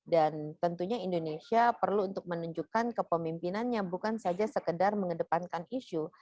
dan tentunya indonesia perlu untuk menunjukkan kepemimpinannya bukan saja sekedar mengedepankan isu